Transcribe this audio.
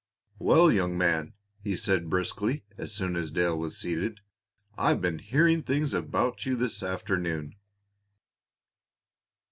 "Well, young man," he said briskly as soon as Dale was seated, "I've been hearing things about you this afternoon."